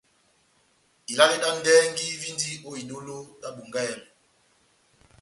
Ilale vi ndɛhɛgi víndi ó idólo vi Bongahɛlɛ.